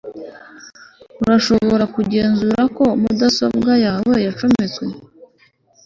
urashobora kugenzura ko mudasobwa yawe yacometse